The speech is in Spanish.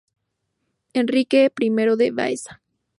Enrique I de Baeza